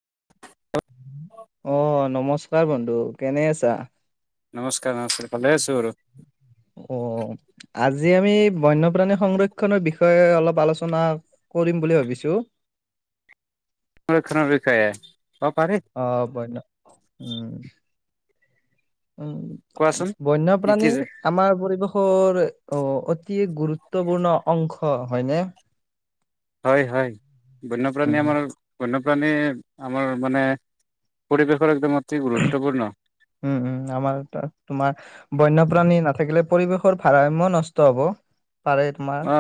[inaudible] অ, নমস্কাৰ বন্ধু, কেনে আছা? নমস্কাৰ নমস্কাৰ ভালে আছো আৰু। অ', আজি আমি বন্যপ্ৰাণী সংৰক্ষনৰ বিষয়ে অলপ আলোচনা কৰিম বুলি ভাবিছো। খানা ভি খায়া হে। অ, বন্য উম। উম, কোৱাচোন কি কি বন্যপ্ৰাণী যে আমাৰ পৰিৱেশ [unintelligible] অ, অতি গুৰুত্বপূৰ্ণ অংশ হয়নে। হয় হয়। বন্যপ্ৰাণী উম আমাৰ বন্য প্ৰানী আমাৰ মানে, পৰিৱেশৰ একদম অতি গুৰুত্বপূৰ্ণ উম, উম, আমাৰ তোমাৰ বন্যপ্ৰাণী নাথাকিলে পৰিৱেশৰ ভাৰসাম্য নষ্ট হ'ব। পাৰে তোমাৰ। অ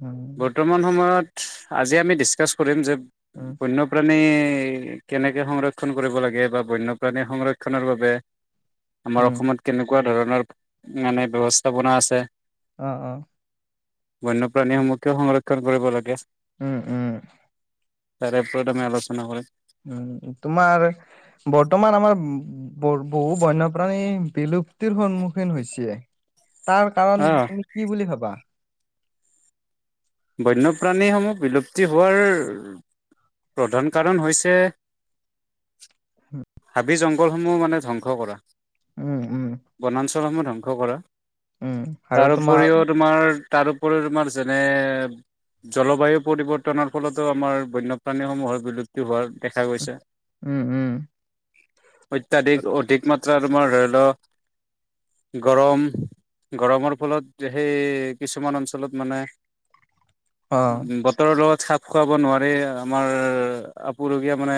উম বৰ্তমান সময়ত আজি আমি ডিছকাছ কৰিম যে উম বন্যপ্ৰাণী কেনেকে সংৰক্ষণ কৰিব লাগে বা বন্যপ্ৰাণীৰ সংৰক্ষণৰ বাবে আমাৰ উম অসমত কেনেকুৱা ধৰক ধৰক, মানে ব্যৱস্থাপনা আছে অ অ। বন্যপ্ৰাণীসমূহ কিয় সংৰক্ষণ কৰিব লাগে উম উম। তাৰে ওপৰত আমি আলোচনা কৰিম। উম, তোমাৰ বৰ্তমান আমাৰ ব বহু বন্যপ্ৰাণী বিলুপ্তিৰ সন্মুখীন হৈছে। তাৰ অ কাৰণ তুমি কি বুলি ভাবা? বন্যপ্ৰাণীসমূহ বিলুপ্তি হোৱাৰ প্ৰধান কাৰণ হৈছে হাবি জং জংঘলসমূহ মানে ধ্বংস কৰা। উম, উম, বনাঞ্চ সমূহ ধ্বংস কৰা উম, আৰু তাৰ তোমাৰ ওপৰিও তোমাৰ তাৰ ওপৰি তোমাৰ যেনেএ জলবায়ু পৰিৱৰ্তনৰ ফলতো আমাৰ বন্যপ্ৰাণীসমূহৰ বিলুপ্তি হোৱা দেখা গৈছে। উম উম। অত্যাধিক অধিক মাত তোমাৰ ধৰি লও, গৰম গৰমৰ ফলত সেই কিছুমান অঞ্চলত মানে অ', উম, বতৰৰ লগত সাপ খোৱাব নোৱাৰি আমাৰ আপুৰুগীয়া মানে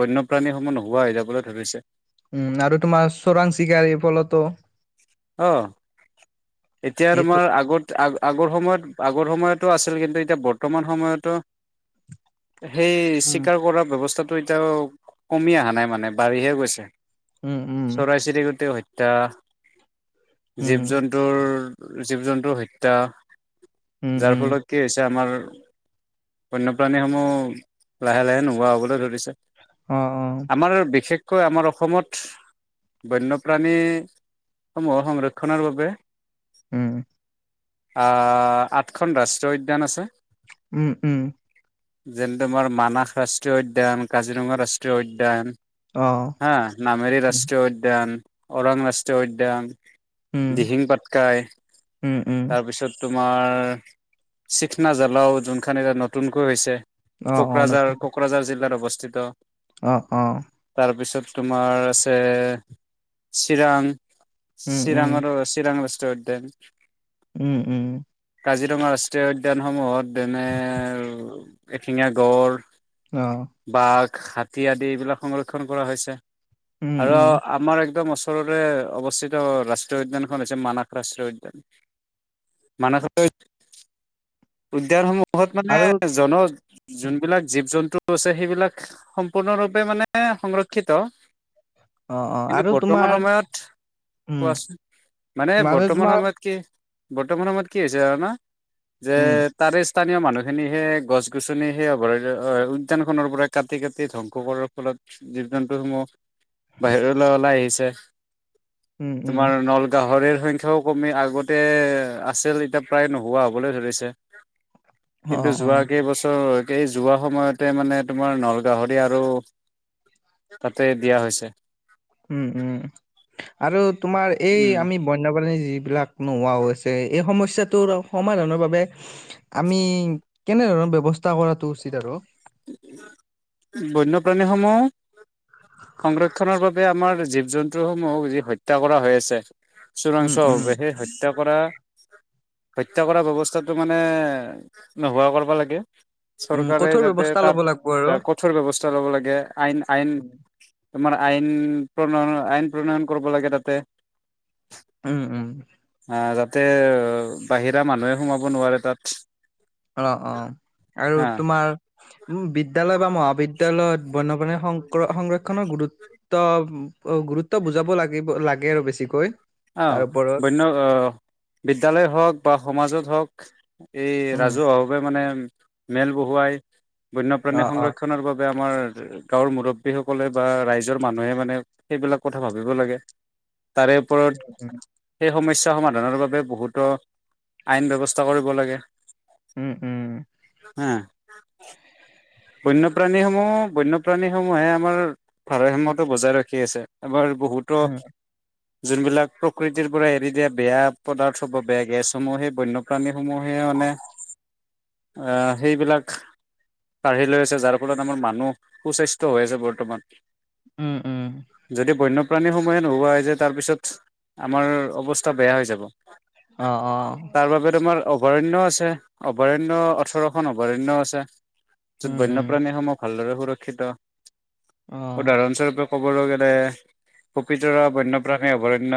বন্যপ্ৰাণীসমূহ নোহোৱা হৈ যাবলৈ ধৰিছে। উম আৰু তোমাৰ চোৰাং চিকাৰী ফলতো অ। এতিয়া এইটো তোমাৰ আগত আগ আগৰ সময়ত আগৰ সময়তো আছিল কিন্তু এতিয়া বৰ্তমান সময়তো সেই উম, চিকাৰ কৰা ব্যৱস্থা টো এতিয়াও কমি অহা নাই মানে, বাঢ়িহে গৈছে। উম, উম, চৰাই-চিৰিকতি হত ত উম, জীৱ-জন্তুৰ জীৱ-জন্তুৰ হত্যা উম, যাৰ উম, ফলত কি হৈছে আমাৰ বন্যপ্ৰাণী সমূহ লাহে লাহে নোহোৱা হবলৈ ধৰিছেো অ', অ', আমাৰ বিশেষ বিশকৈ আমাৰ অসমত বন্যপ্ৰাণী সমূহ সংৰক্ষণৰ বাবে উম। আহ আঠখন ৰাষ্ট্ৰীয় উদ্যান আছে। উম, উম। যেনে তোমাৰ মানাস ৰাষ্ট্ৰীয় উদ্যান, কাজিৰঙা ৰাষ্ট্ৰীয় উদ্যান অ', হা নামেৰী উম, ৰাষ্ট্ৰীয় উদ্যান। ওৰাং ৰাষ্ট্ৰীয় উদ্যান দিহিং পাতকাই, উম, উম, তাৰপিছত তোমাৰ চিখনা জ্বালাও যোনখন এতিয়া নতুনকৈ হৈছে। অ', কোকৰাঝাৰ কোকৰাঝাৰ জিলাৰ অৱস্থিত। আহ, আহ। তাৰপিছত তোমাৰ আছে চিৰাং উম, উম, চিৰাং আৰু চিৰাং ৰাষ্ট্ৰীয় উদ্যান। উম, উম। কাজিৰঙা ৰাষ্ট্ৰীয় উদ্যানসমূহত যেনে এশিঙা গঁড় আহ। হাতী আদি এইবিলাক সংৰক্ষণ কৰা হৈছে। উম, আৰু উম, আমাৰ প্ৰদম বছৰৰে অৱস্থিত ৰাষ্ট্ৰীয় উদ্যানখন হৈছে মানস ৰাষ্ট্ৰীয় উদ্যান মানস উদ্যানসমূহ কিহত মানে আৰু জন যোনবিলাক জীৱ জন্তু আছে সেইবিলাক সম্পূৰ্ণৰূপে মানে সংৰক্ষিত অ', অ', কিন্তু আৰু বৰ্তমান তোমাৰ সময়ত উম, কোৱাচোন মানে মাজে বৰ্তমান তোমাৰ সময়ত কি বৰ্তমানৰ সময়ত কি হৈছে জানা না যে উম, তাৰে চ স্থানীয় মানুহখিনিহে গছ গছনি সেই অভয়াৰণ্ অ উদ্যানখনৰ পৰা কাটি কাটি ধ্বংস কৰাৰ ফলত জীৱ জন্তুসমূহ বাহিৰলৈ ওলাই আহিছে এক উম, উম, তোমাৰ নলগাহিৰৰ সংখ্যা ত কমি আগতে আছিল এতিয়া প্ৰায় নোহোৱা হ'বলৈ ধৰিছে কিন্তু অ', যোৱা অ', কেইবছৰ এই যোৱা সময়তে মানে তোমাৰ নলগাহৰি আৰু তাতে দিয়া হৈছে উম উম আৰু তোমাৰ এই উম আমি বন্যপাণী যিবিলাক নোহোৱা হৈছে এই সমস্যা ত সমাধানৰ বাবে আমি কেনে ধৰণৰ ব্যৱস্থা কৰাটো উচিত আৰু বন্যপ্ৰাণীসমূহ সংৰক্ষণৰ বাবে তে আমাৰ জীৱ জন্তু সমূহ যি হত্যা কৰা হৈ আছে উম, চোৰাংচোৱা উম, হব সেই হত্যা কৰা হত্যা কৰা ব্যৱস্থাটো মানে নোহোৱা কৰবা লাগে উম চৰকাৰে কঠোৰ যাতে ব্যৱস্ তাত কঠোৰ ব্যৱস্থা ল'ব লাগে আইন আইন উম, তোমাৰ আইন প্ৰণয়ন আইন প্ৰণয়ন কৰিব লাগে তাতে উম উম আহ যাতে বাহিৰা মানুহে সোমাব নোৱাৰে তাত অ অ আৰু হা তোমাৰ উম বিদ্যালয় বা মহাবিদ্যয়ালয়ত বন প নে হং সংৰক্ষণৰ গুৰুত্ব অ গুৰুত্ব বুজাব লাগিব লাগে আৰু বেছিকৈ আহ তাৰ ওপৰত বন্য বিদ্যালয় হওক বা সমাজত হওক উ [inaudible] এই উম, ৰাজহা হৱে মানে মেল বহুৱাই বন্যপ্ৰাণী অ', অ', সংৰক্ষণৰ বাবে আমাৰ গাঁৱৰ মুৰববীসকলে বা ৰাইজৰ মানুহে মানে সেইবিলাক কথা ভাবিব লাগে তাৰে ওপৰত সেই [unintelligible] সমস্যা সমাধানৰ বাবে বহুতো আইন ব্যৱস্থা কৰিব লাগে উম উম হা বন্যপ্ৰাণী সমূহ বন্যপ্ৰাণী সমূহে আমাৰ ভাৰতসয়তো বজাই ৰখি আছে আমাৰ বহুতো উম, যোনবিলাক প্ৰকৃতিৰ পৰা এৰি দিয়া বেয়া পদাৰ্থ হ'ব বেয়া গেছসমূহ সেই বন্যপ্ৰাণী সমূহে মানে অ সেইবিলাক কাঢ়ি লৈ আছে যাৰ ফলত আমাৰ মানুহ সু-স্বাস্থ্য হৈ আছে বৰ্তমান উম। উম। যদি বন্য প্ৰাণী সমূহে নোহোৱা হৈ যোয় তাৰপিছত আমাৰ অৱস্থা বেয়া হৈ যাব অ অ তাৰ বাবে তোমাৰ অভয়াৰণ্য আছে অভয়াৰণ্য ওঠৰখন অভয়াৰণ্য আছে য'ত উম উম বন্যপ্ৰাণীসমূহ ভালদৰে সুৰক্ষিত অ উদাহৰণস্বৰূপে ক'বলৈ [unintelligible] পবিতৰা বন্যপ্ৰাণী অভয়াৰণ্য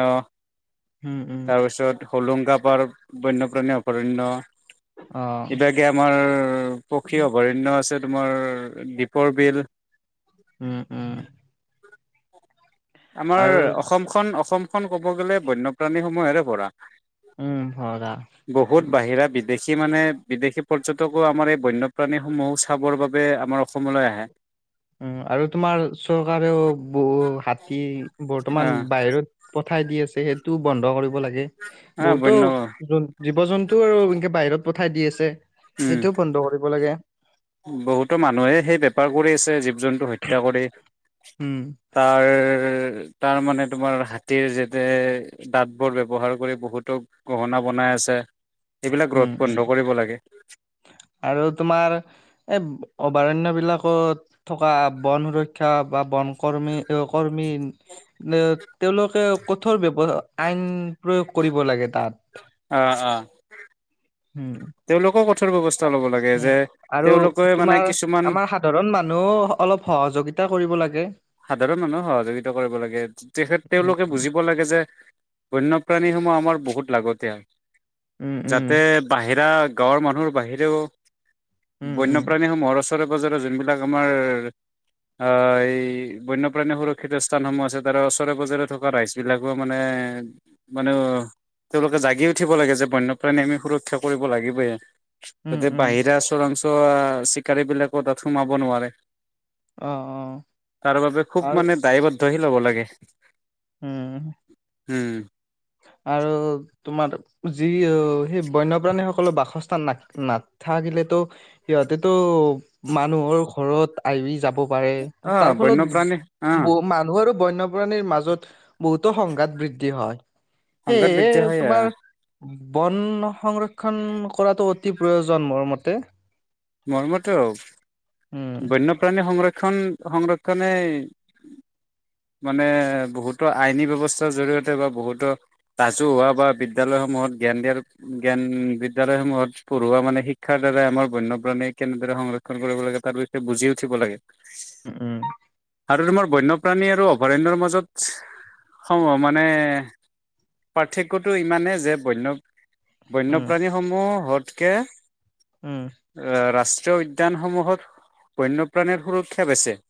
উম উম তাৰপিছত হোলোংকা পাৰ বন্য প্ৰাণী অভয়াৰণ্য অ ইভাগে আমাৰ পক্ষী অভয়াৰণ্য তোমাৰ দীপৰ বিল উম উম আমাৰ আৰু অসমখন অসমখন ক'ব গ'লে বন্যপ্ৰাণীসমূহেৰে ভৰা উম ভৰা বেছি মানে বিদেশী পৰ্যটকো আমাৰ এই বন্যপ্ৰাণীসমূহো চাবৰ বাবে আমাৰ অসমলৈ আহে উম আৰু তোমাৰ চৰকাৰেও বহু হাতী বৰ্তমান আহ বাহিৰত পঠাই দি আছে সেইটোও বন্ধ কৰিব [unintelligible] লাগে আহ বহুতো বন্য জীৱ জন্তু আৰু এনেকে বাহিৰত পঠাই দি আছে। উম সেইটোও বন্ধ কৰিব লাগে। বহুতো মানুহে সেই বেপাৰ কৰি আছে জীৱ জন্তু হত্যা কৰে। উম তাৰ তাৰ মানে, তোমাৰ হাতীৰ [unintelligible] দাঁতবোৰ ব্যৱহাৰ কৰি বহুতো গহনা বনাই আছে। এইবিলাক উম ৰোধ উম বন্ধ কৰিব লাগে। এই অভয়াৰণ্যবিলাকত থকা বন সুৰক্ষা বা বন কৰ্মী, কৰ্মী [unintelligible] তেওঁলোকে কঠোৰ ব্যৱ- আইন প্ৰয়োগ কৰিব লাগে তাত। অ'! অ'! উম! তেওঁলোকক উম আৰু মানে তোমাৰ কিছুমান আমাৰ সাধাৰণ মানুহ অলপ সহযোগিতা কৰিব লাগে। [unintelligible] সাধাৰণ মানুহক সহযোগিতা কৰিব লাগে। তেখেত উম তেওঁলোকে বুজিব লাগে যে বন্যপ্ৰাণীসমূহ আমাৰ বহুত লাগতিয়াল। উম যাতে উম বাহিৰা গাঁৱৰ মানুহৰ বাহিৰেও উম বন্য উম প্ৰাণীসমূহ ৰচ ওচৰে পাজৰে যোনবিলাক আমাৰ এই বন্যপ্ৰাণী সুৰক্ষিত স্থানসমূহ আছে। তাৰ ওচৰে পাজৰে থকা ৰাইচবিলাকো মানে, মানে তেওঁলোকে জাগি উঠিব লাগে যে, বন্যপ্ৰাণী আমি সুৰক্ষা কৰিব লাগিবই। উম তাতে উম বাহিৰা আচৰনচ ত' চিকাৰীবিলাকো তাত সোমাব নোৱাৰে। অ'! অ'! তাৰ বাবে খুব আৰু মানে দায়বদ্ধ শীল হ'ব লাগে। উম! উম! আৰু তোমাৰ যি [unintelligible] অ'! সেই বন্যপ্ৰাণীসকলৰ বাস বাসস্থান না নাথাকিলেতো সিহঁতেতো মানুহৰ ঘৰত আহি যাব। অ তাৰ বন্যপ্ৰাণী অ ফলত মানুহৰো বন্যপ্ৰাণীৰ মাজত বহুতো সংঘাত বৃদ্ধি হয় সংঘাত বৃদ্ধি হেই হয় তোমাৰ বন সংৰক্ষণ কৰাটো অতি প্ৰয়োজন মোৰ মতে মৰ্মমটো উম বন্যপ্ৰাণী সংৰক্ষ শিক্ষণ সংৰক্ষণে মানে বহুতো আইনী ব্যৱস্থাৰ জৰিয়তে বা বহুতো ৰাজু হা বা বিদ্যালয়সমূহত জ্ঞান দিয়াৰ জ্ঞান বিদ্যয়ালয়সমূহত পঢ়োৱা মানে শিক্ষাৰ দ্বাৰাই আমাৰ ব ণে কেনেদৰে সংৰক্ষণ কৰিব লাগে তাৰ বিষয়ে বুজি উঠিব লাগে উম আৰু তোমাৰ বন্যপ্ৰাণী আৰু অভয়াৰণ্যৰ মাজত সম মানে পাৰ্থক্যটো ইমানেই যে বন্য উম বন্যপ্ৰাণীসমূহ ততকে উম আহ ৰাষ্ট্ৰীয় উদ্যানসমূহত বন্যপ্ৰাণীৰ সুৰক্ষা বেচে [inaudible]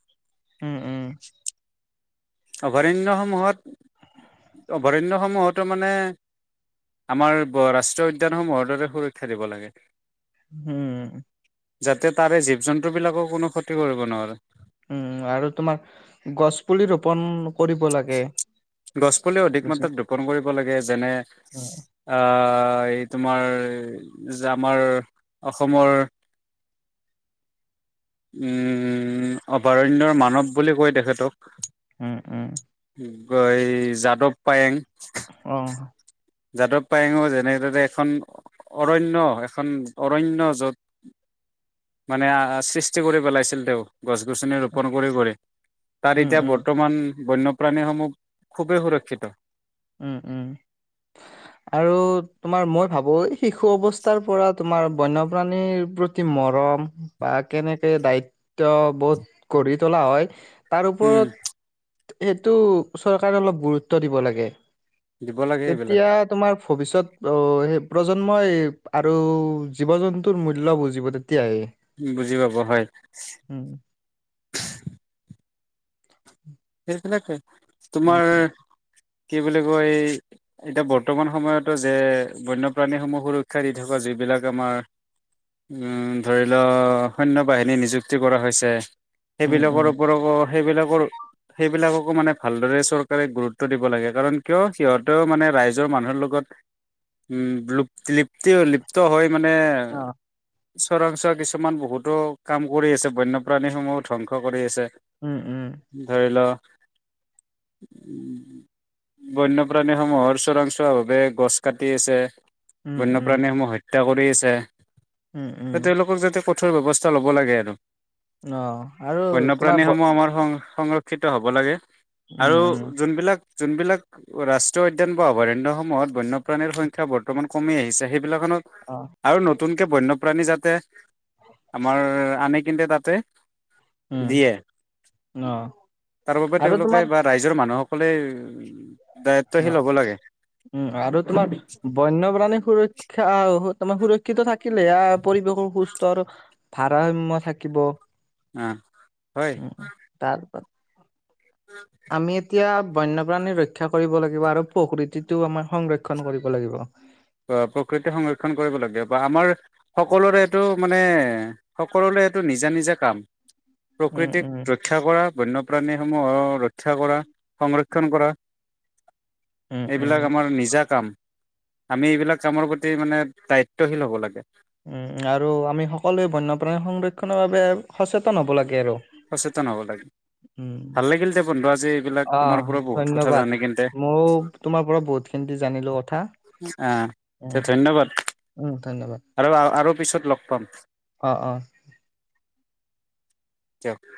উম উম অভয়াৰণ্যসমূহত, অভয়াৰণ্যসমূহতো মানে, আমাৰ ৰাষ্ট্ৰীয় উদ্যানসমূহৰ দৰে সুৰক্ষা দিব লাগে। হম। যাতে তাৰে জীৱ জন্তুবিলাকো কোনো ক্ষতি কৰিব নোৱাৰে। উম, আৰু তোমাৰ গছপুলি ৰোপন কৰিব লাগে গছ পুলি অধিক মাত্ৰাত ৰোপন কৰিব লাগে। যেনে, অ। এই তোমাৰ যে আমাৰ অসমৰ, উম, অভয়াৰণ্যৰ মানৱ বুলি কৈ তেখেতক। উম, উম। এই যাদৱ পায়েং। অ। যাদৱ পায়েংও যেনেদৰে এখন অৰণ্য এখন অৰণ্য য'ত, মানে সৃষ্টি কৰি পেলাইছিল তেওঁ গছ গছনি ৰোপন কৰি কৰি। তাৰ উম এতিয়া উম বৰ্তমান বন্যপ্ৰাণীসমূহ খুবেই সুৰক্ষিত। উম, উম। আৰু তোমাৰ মই ভাবো এই শিশু অৱস্থাৰ পৰা তোমাৰ বন্যপ্ৰাণীৰ প্ৰতি মৰম বা কেনেকে দায়িত্ব বোধ গঢ়ি তোলা হয়। তাৰ উম ওপৰত সেইটো চৰকাৰে অলপ গুৰুত্ব দিব লাগে। দিব লাগে এইবিলাক। তেতিয়া তোমাৰ ভৱিষ্যত ও সেই প্ৰজন্মই আৰু জীৱ জন্তুৰ মূল্য বুজিব তে বুজি পাব হয়। উম [unintelligible] তোমাৰ কি বুলি কয়, এতিয়া বৰ্তমান সময়তো যে বন্যপ্ৰাণীসমূহ সুৰক্ষা দি থকা যিবিলাক আমাৰ, উম, ধৰি লওঁ সৈন্য বাহিনী নিযুক্তি কৰা হৈছে। উম উম উম সেইবিলাকৰ ওপৰকো সেইবিলাকৰ সেইবিলাকক মানে ভাল চৰকাৰে গুৰুত দিব লাগে কাৰণ কিয় সিহঁতেও মানে ৰাইজৰ মানুৰ লগত, উম, লুপ লিপ্তি লিপ্ত হয় মানে অ চৰাংচোৱা কিছুমান বহুতো কাম কৰি আছে বন্যপ্ৰাণীসমূহ ধ্বংস কৰি আছে। উম, উম। ধৰি বন্যপ্ৰাণীসমূহৰ চোৰাংচোৱা ভাৱে গছ কাটি আছে। উম উম বন্যপ্ৰাণীসমূহ হত্য ত্যা কৰি আছে। উম উম তেওঁলোকক যাতে ক কঠোৰ ব্যৱস্থা ল'ব লাগে আৰু। অ আৰু তোমাৰ বন্যপ্ৰাণী ব- সমূহ আমাৰ সং সংৰক্ষ। শিক্ষিত হ'ব লাগে। উম আৰু উম যোনবিলাক যোনবিলাক ৰাষ্ট্ৰীয় উদ্যান বা অভয়াৰণ্যসমূহত বন্যপ্ৰাণীৰ সংখ্যা বৰ্তমান কমি আহিছে সেই খনত অ আৰু নতুনকে বন্য প্ৰণী যাতে আমাৰ। আনে কিন্ত তাতেই। উম, অহ। তাৰ বাবে তেওঁলোকে বা ৰাইজৰ মানুহক। সকলে অহ উম আৰু তোমাৰ বন্যপ্ৰাণী সুৰ। সুৰক্ষিত থাকিলে পৰিৱেশৰ সুস্থ আৰু ভাৰসাম্য থাকিব। আহ হয় উম তাৰ। [unintelligible] আমি এতিয়া। বন্যপ্ৰাণী ৰক্ষা কৰিব লাগিব আৰু প্ৰকৃতিটো আমাৰ সংৰক্ষন কৰিব লাগিব। প্ৰকৃতি সংৰক্ষণ কৰিব লাগে বা আমাৰ সকলোৰে এইটো মানে সকলোৰে এইটো নিজা নিজা কাম। উম প্ৰকৃতিক উম ৰক্ষা কৰা বন্যপ্ৰাণীৰ। মূহক ৰক্ষা কৰা সংৰক্ষণ কৰা। উম উম এইবিলাক আমাৰ নিজা কাম। আমি এইবিলাক কামৰ প্ৰতি মানে দায়িত্বশীল হ'ব লাগে। উম আৰু আমি সকলোৱে বন্যপ্ৰাণীৰ সংৰক্ষনৰ বাবে সচেতন হ'ব লাগে আৰু। সচেতন হব লাগে ভাল লাগিল দে বন্ধু আজি। এইবিলাক তোমাৰ অ' পৰা বহুত কথা ধন্যবাদ জানি কিন্তে মইও তোমাৰ পৰা বহুতখিনি জানিলো কথা আহ উম ধন্যবাদ উম ধন্যবাদ। আৰু আৰু পিছত লগ পাম অঁ অঁ [unintelligible]